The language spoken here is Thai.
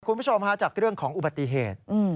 คุณผู้ชมฮะจากเรื่องของอุบัติเหตุ